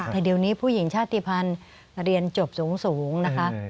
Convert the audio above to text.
แต่เดี๋ยวนี้ผู้หญิงชาติภัณฑ์เรียนจบสูงนะคะ